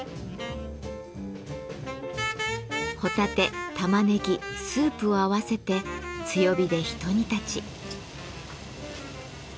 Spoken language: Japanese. ホタテタマネギスープを合わせて強火でひと煮立ち。